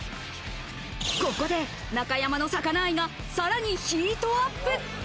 ここで中山の魚愛がさらにヒートアップ。